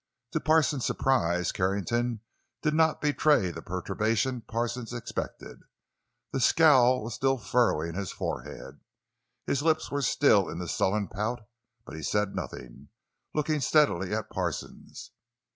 To Parsons' surprise Carrington did not betray the perturbation Parsons expected. The scowl was still furrowing his forehead, his lips were still in the sullen pout; but he said nothing, looking steadily at Parsons.